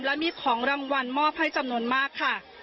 และมีของรางวัลมอบให้จำนวนมากค่ะ